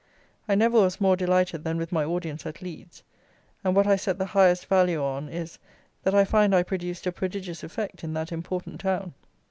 I never was more delighted than with my audience at Leeds; and what I set the highest value on, is, that I find I produced a prodigious effect in that important town.